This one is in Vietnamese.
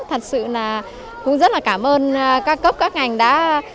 thật sự là cũng rất là cảm ơn các cấp các ngành đã